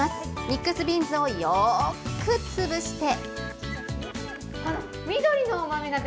ミックスビーンズをよくつぶして。